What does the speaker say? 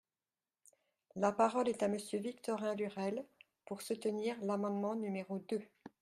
La parole est à Monsieur Victorin Lurel, pour soutenir l’amendement numéro deux.